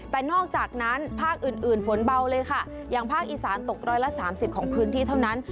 แต่นอกจากนั้นภาคอื่นอื่นฝนเบาเลยค่ะอย่างภาคอีสานตกร้อยละสามสิบของพื้นที่เท่านั้น